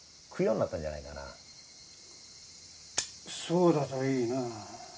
そうだといいな。